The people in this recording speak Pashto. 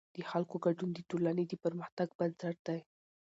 د خلکو ګډون د ټولنې د پرمختګ بنسټ دی